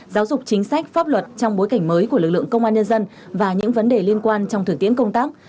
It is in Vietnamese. giáo dục chính sách pháp luật trong bối cảnh mới của lực lượng công an nhân dân và những vấn đề liên quan trong thực tiễn công tác